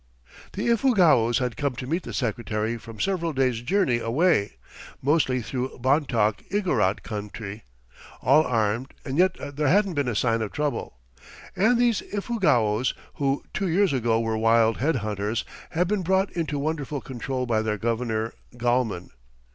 The Ifugaos had come to meet the Secretary from several days' journey away, mostly through Bontoc Igorot country, all armed, and yet there hadn't been a sign of trouble. And these Ifugaos, who two years ago were wild head hunters, have been brought into wonderful control by their governor, Gallman.